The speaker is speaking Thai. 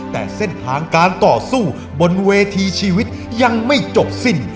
แต่เส้นทางการต่อสู้บนเวทีชีวิตยังไม่จบสิ้น